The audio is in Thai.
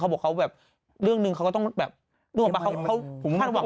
เขาบอกแบบเรื่องนึงเขาจะต้องต้องต้องว่าเขาภาพหัวหนัง